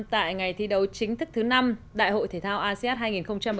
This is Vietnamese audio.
tại ngày thi đấu chính thức thứ năm đại hội thể thao asean hai nghìn một mươi tám